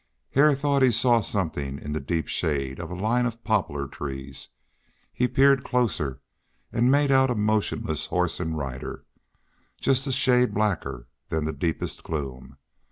Hare thought he saw something in the deep shade of a line of poplar trees; he peered closer, and made out a motionless horse and rider, just a shade blacker than the deepest gloom.